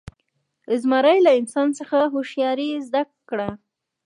زمري له انسان څخه هوښیاري زده کړه.